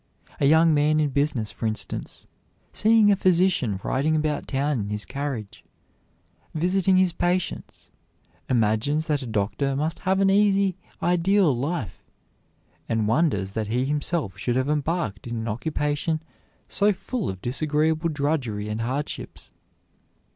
A young man in business, for instance, seeing a physician riding about town in his carriage, visiting his patients, imagines that a doctor must have an easy, ideal life, and wonders that he himself should have embarked in an occupation so full of disagreeable drudgery and hardships.